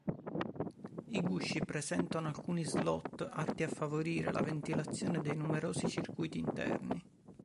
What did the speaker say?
I gusci presentano alcuni slot atti a favorire la ventilazione dei numerosi circuiti interni.